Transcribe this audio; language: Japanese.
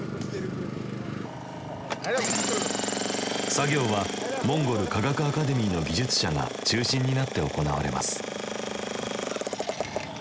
作業はモンゴル科学アカデミーの技術者が中心になって行われます。